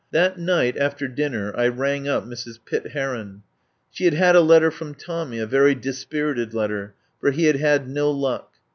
That night after dinner I rang up Mrs. Pitt Heron. She had had a letter from Tommy, a very dispirited letter, for he had had no luck.